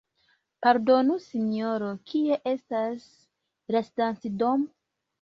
Pardonu sinjoro, kie estas la stacidomo?